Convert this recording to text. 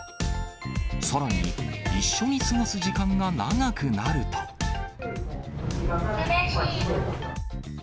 さらに一緒に過ごす時間が長くなうれしい。